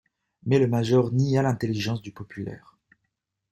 Mais le major nia l'intelligence du populaire.